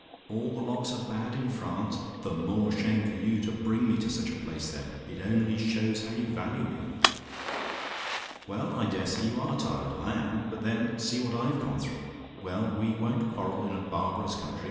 "ALL THE LOCKS ARE BAD IN FRANCE? "The more shame for you to bring me to such a place, then. It only shows how you value me. "Well, I dare say you are tired. I am! But then, see what I've gone through. Well, we won't quarrel in a barbarous country.